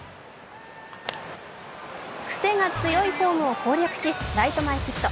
クセが強いフォームを攻略しライト前ヒット。